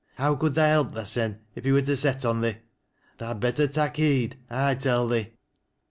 " How could tha help thysen if he were to set on thee, Tha had better tak' heed, I tell thee."